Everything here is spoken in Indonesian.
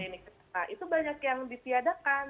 nah itu banyak yang ditiadakan